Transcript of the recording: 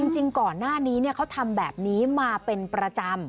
จริงก่อนหน้านี้เขาทำแบบนี้มาเป็นประจำ